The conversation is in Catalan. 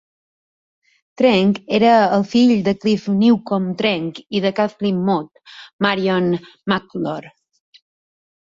Trench era el fill de Clive Newcome Trench i de Kathleen Maud, Marion McIvor.